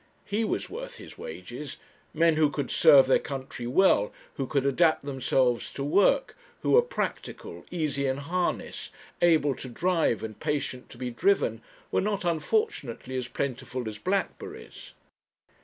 He was worth his wages. Men who could serve their country well, who could adapt themselves to work, who were practical, easy in harness, able to drive and patient to be driven, were not, unfortunately, as plentiful as blackberries.